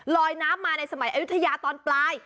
ลอยน้ำมาในสมัยอายุทยาตอนปลาย